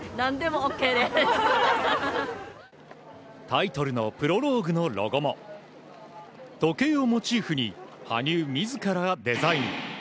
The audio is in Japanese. タイトルの「プロローグ」のロゴも時計をモチーフに羽生自らがデザイン。